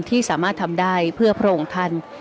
ที่สามารถทำได้เพื่อโปร่งทัน